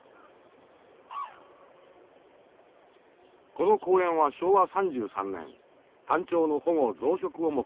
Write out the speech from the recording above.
この公園は昭和３３年タンチョウの保護・増殖を目的につくられた。